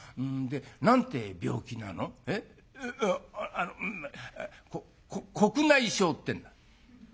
あこ黒内障ってんだ」。